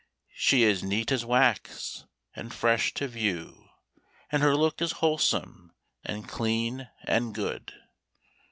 She is neat as wax, and fresh to view, And her look is wholesome and clean, and good.